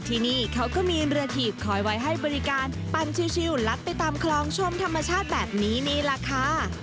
ที่นี่เขาก็มีเรือถีบคอยไว้ให้บริการปั่นชิลลัดไปตามคลองชมธรรมชาติแบบนี้นี่แหละค่ะ